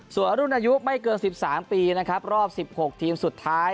ส่วนรุ่นอายุไม่เกิน๑๓ปีนะครับรอบ๑๖ทีมสุดท้าย